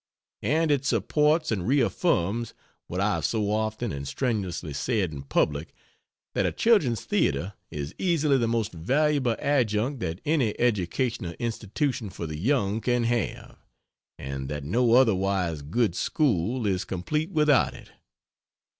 And it supports and re affirms what I have so often and strenuously said in public that a children's theatre is easily the most valuable adjunct that any educational institution for the young can have, and that no otherwise good school is complete without it.